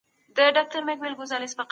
فارابي دا څرګندوي.